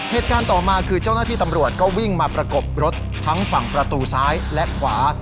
เหตุการณ์ต่อมาคือเจ้าหน้าที่ตำรวจก็วิ่งมาประกบรถทั้งฝั่งประตูซ้ายและขวา